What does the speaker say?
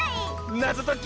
なぞとき。